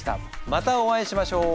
またお会いしましょう。